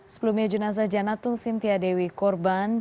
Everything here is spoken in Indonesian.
sebelumnya jenazah janatul sintia dewi korban